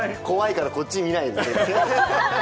怖いからこっち見ないで。